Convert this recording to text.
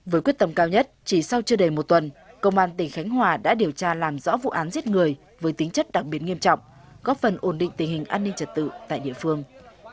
với quyết tâm cao nhất chỉ sau chưa đầy một tuần công an tỉnh khánh hòa đã điều tra làm rõ vụ án giết người với tính chất đặc biệt nghiêm trọng góp phần ổn định tình hình an ninh trật tự tại địa phương